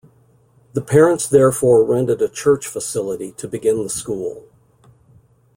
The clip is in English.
The parents therefore rented a church facility to begin the school.